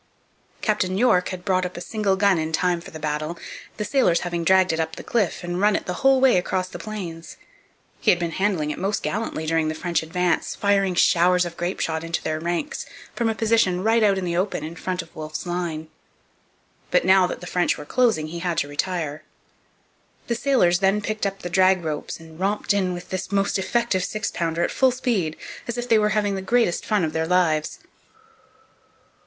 Captain York had brought up a single gun in time for the battle, the sailors having dragged it up the cliff and run it the whole way across the Plains. He had been handling it most gallantly during the French advance, firing showers of grape shot into their ranks from a position right out in the open in front of Wolfe's line. But now that the French were closing he had to retire. The sailors then picked up the drag ropes and romped in with this most effective six pounder at full speed, as if they were having the greatest fun of their lives.